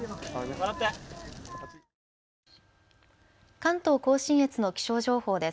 関東甲信越の気象情報です。